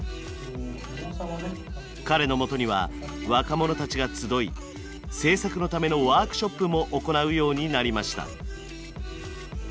彼のもとには若者たちが集い制作のためのワークショップも行うようになりました。